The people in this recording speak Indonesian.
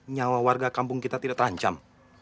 nyawa warga kampung kita tidak terancam